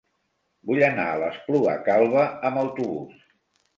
Vull anar a l'Espluga Calba amb autobús.